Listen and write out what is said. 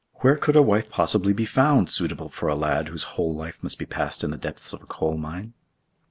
Where could a wife possibly be found suitable for a lad whose whole life must be passed in the depths of a coal mine?"